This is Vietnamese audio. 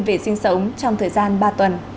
về sinh sống trong thời gian ba tuần